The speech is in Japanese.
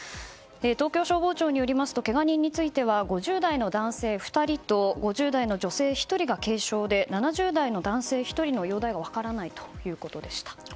東京消防庁によりますとけが人については５０代の男性２人と５０代の女性１人が軽傷で７０代の男性１人の容体が分からないということでした。